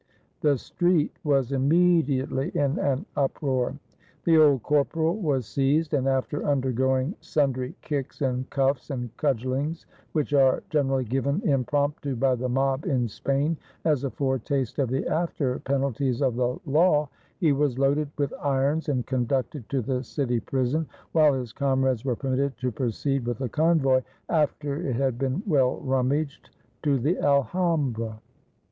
The street was immediately in an uproar. The old corporal was seized, and after undergoing sundry kicks, and cuffs, and cudgelings, which are gen erally given impromptu by the mob in Spain as a fore taste of the after penalties of the law, he was loaded with irons and conducted to the city prison, while his comrades were permitted to proceed with the convoy, after it had been well rummaged, to the Alhambra.